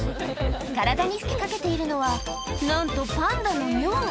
体に吹きかけているのは、なんとパンダの尿。